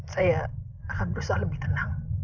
saya akan berusaha lebih tenang